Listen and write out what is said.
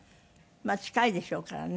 まあ近いでしょうからね。